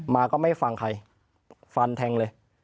ก็ไม่ฟังใครฟันแทงเลย